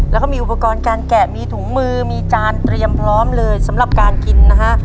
แล้วก็มีอุปกรณ์การแกะมีถุงมือมีจานเตรียมพร้อมเลยสำหรับการกินนะฮะ